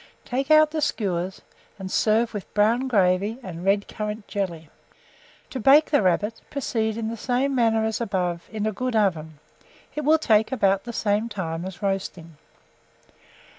Take out the skewers, and serve with brown gravy and red currant jelly. To bake the rabbit, proceed in the same manner as above; in a good oven, it will take about the same time as roasting.